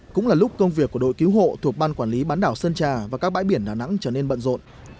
cũng là lúc công việc của đội cứu hộ thuộc ban quản lý bán đảo sơn trà và các bãi biển đà nẵng trở nên bận rộn